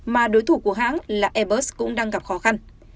mà đối thủ của hãng là airbus cũng đang gặp khó khăn